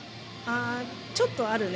ちょっとあるね。